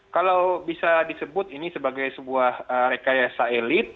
kalau bisa disebut ini sebagai sebuah rekayasa elit